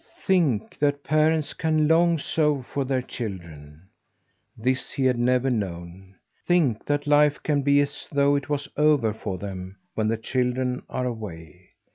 Think, that parents can long so for their children! This he had never known. Think, that life can be as though it was over for them when the children are away!